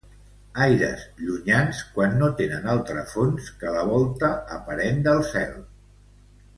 Aires llunyans quan no tenen altre fons que la volta aparent del cel.